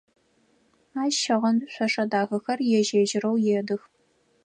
Ащ щыгъын шъошэ дахэхэр ежь-ежьырэу едых.